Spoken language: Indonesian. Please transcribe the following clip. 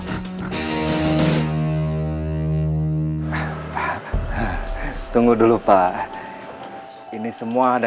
tantang perhatian in stream ojo